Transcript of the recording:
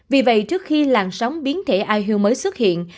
vì vậy trước khi làn sóng biến thể iuu mới xuất hiện